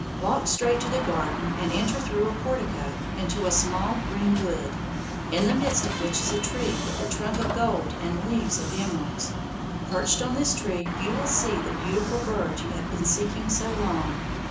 Walk straight to the garden and enter through a portico, into a small green wood, in the midst of which is a tree with a trunk of gold and leaves of emeralds. Perched on this tree you will see the beautiful bird you have been seeking so long.